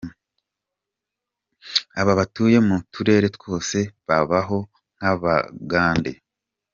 Aba batuye mu turere twose babaho nk’abangande.